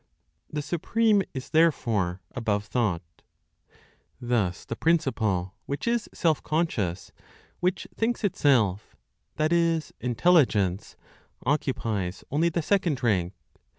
THE SUPREME IS THEREFORE ABOVE THOUGHT. Thus the principle which is self conscious, which thinks itself (that is, Intelligence), occupies only the second rank.